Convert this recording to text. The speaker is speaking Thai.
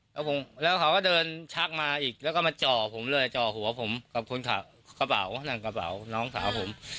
แล้วผมแล้วเขาก็เดินชักมาอีกแล้วก็มาจ่อผมเลยจ่อหัวผมกับคนขับกระเป๋านั่งกระเป๋าน้องสาวผม